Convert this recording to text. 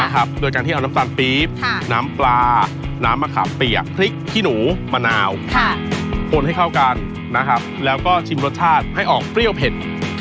ให้ออกเปรี้ยวเผ็ดเข็มคราบไว้ก่อน